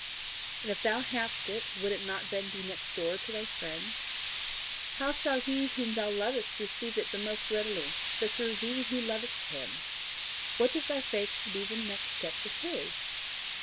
And if thou hadst it, would it not then be next door to thy friend? How shall he whom thou lovest receive it the most readily but through thee who lovest him? What if thy faith should be the next step to his?